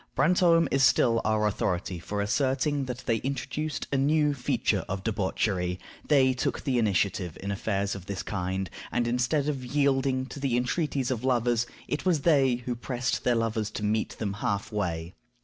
Brantome is still our authority for asserting that they introduced a new feature of debauchery; they took the initiative in affairs of this kind, and instead of yielding to the entreaties of lovers, it was they who pressed their lovers to meet them half way.